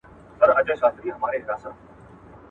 ستاسو لور بې استعداده نه ده.